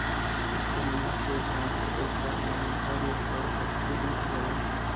Fue Ministro, diplomático y parlamentario por el Partido Conservador.